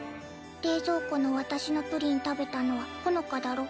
冷蔵庫の私のプリン食べたのはほのかだろ？